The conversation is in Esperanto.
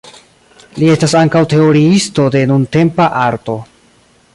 Li estas ankaŭ teoriisto de nuntempa arto.